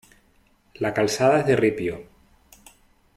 La calzada es de ripio.